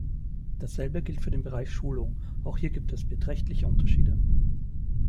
Dasselbe gilt für den Bereich Schulung, auch hier gibt es beträchtliche Unterschiede.